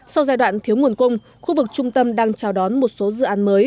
sau giai đoạn thiếu nguồn cung khu vực trung tâm đang chào đón một số dự án mới